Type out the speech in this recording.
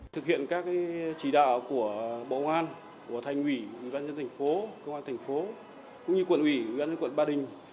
thực hiện các chỉ đạo của bộ công an của thành ủy ủy ban nhân dân tp công an tp cũng như quận ủy ủy ban nhân dân quận ba đình